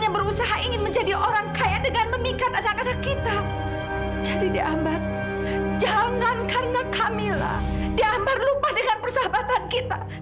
berlupa dengan persahabatan kita